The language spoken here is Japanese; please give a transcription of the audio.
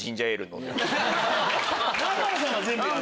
南原さんが全部やるの？